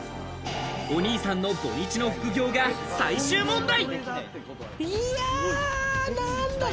お兄さんの土日の副業が最終問題。